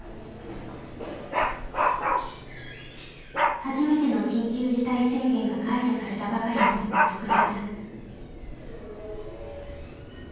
初めての緊急事態宣言が解除されたばかりの６月。